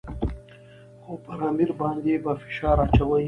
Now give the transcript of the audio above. خو پر امیر باندې به فشار اچوي.